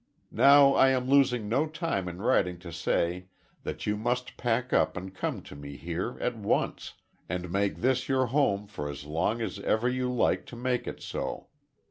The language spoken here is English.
"Now I am losing no time in writing to say that you must pack up and come to me here, at once, and make this your home for as long as ever you like to make it so.